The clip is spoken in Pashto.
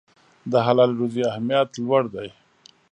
د حلالې روزي اهمیت لوړ دی.